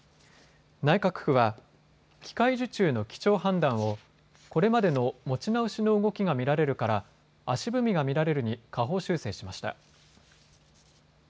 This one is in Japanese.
内閣府は機械受注の基調判断をこれまでの、持ち直しの動きが見られるから足踏みが見られるに下方修正しました。